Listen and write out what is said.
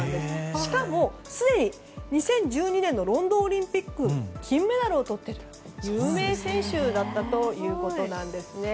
しかも、２０１２年のロンドンオリンピックで金メダルをとっている有名選手だったということなんです。